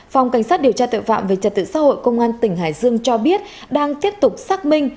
phòng cảnh sát điều tra tội phạm về trật tự xã hội công an tỉnh hải dương cho biết đang tiếp tục xác minh